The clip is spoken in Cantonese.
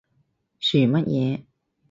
噓乜嘢？